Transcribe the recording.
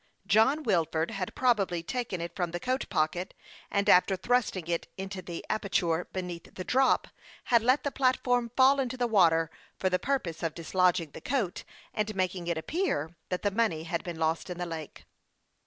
John Wilford had probably taken it from the coat pocket, and after thrusting it into the aperture beneath the drop, had let the platform fall into the water for the pur pose of dislodging the coat, and making it appear that the money had been lost in the lake.